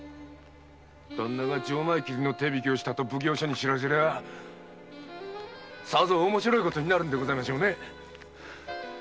旦那が錠前切りの手引きをしたと奉行所に知らせりゃさぞ面白ぇ事になるんでございましょうね。